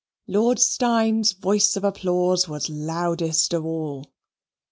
Lord Steyne's voice of applause was loudest of all.